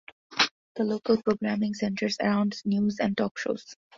The local programming centers around news and talk shows.